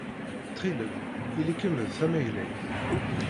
Ttxil-m, ili-kem d tamaglayt.